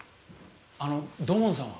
あの土門さんは？